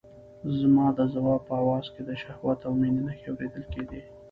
زما د ځواب په آواز کې د شهوت او مينې نښې اورېدل کېدې.